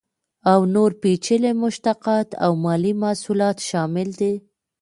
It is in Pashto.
او نور پیچلي مشتقات او مالي محصولات شامل دي.